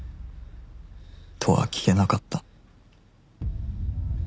とは聞けなかった